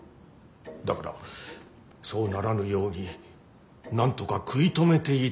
だからそうならぬようになんとか食い止めていただけぬか。